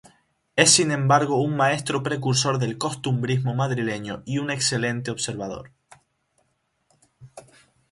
Es sin embargo un maestro precursor del costumbrismo madrileño y un excelente observador.